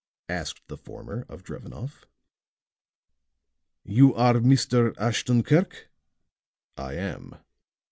asked the former of Drevenoff. "You are Mr. Ashton Kirk?" "I am."